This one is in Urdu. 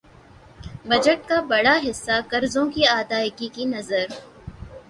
بجٹ کا بڑا حصہ قرضوں کی ادائیگی کی نذر